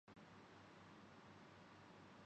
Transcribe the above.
میں ٹھیک بھائی آپ کیسے ہیں؟